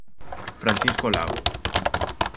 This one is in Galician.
Francisco Lago.